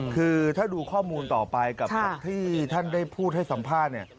คือถ้าดูข้อมูลต่อไปกับที่ท่านได้พูดให้สัมภาษณ์เนี่ย